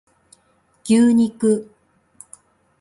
牛肉